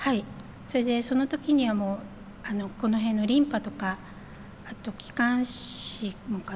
それでその時にはもうこの辺のリンパとかあと気管支もかな。